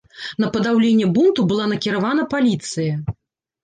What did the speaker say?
На падаўленне бунту была накіравана паліцыя.